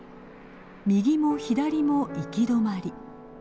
右も左も行き止まり。